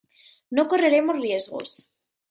no correremos riesgos.